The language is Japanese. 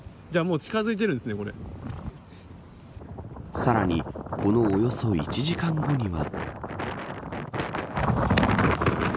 さらにこのおよそ１時間後には。